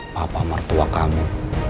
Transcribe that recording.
papa mertua kamu